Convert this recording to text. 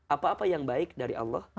apa apa yang baik dari allah